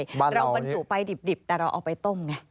เราบรรจุไปดิบแต่เราเอาไปต้มไง